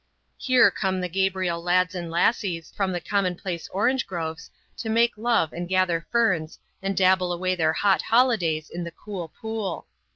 Here come the Gabriel lads and lassies from the commonplace orange groves, to make love and gather ferns and dabble away their hot holidays in the cool pool.